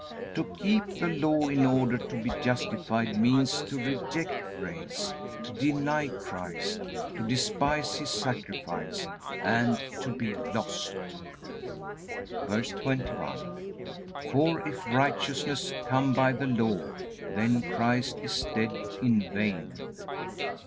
To keep the Law in order to be justified means to reject grace, to deny Christ, to despise His sacrifice, and to be lost. VERSE 21. For if righteousness come by the law, then Christ is dead in vain.